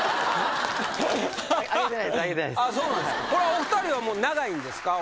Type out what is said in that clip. お二人はもう長いんですか？